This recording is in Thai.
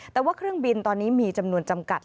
แต่ว่าเครื่องบินตอนนี้มีจำนวนจำกัด